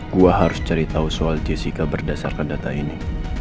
gua harus cari tau soal jessica berdasarkan data ini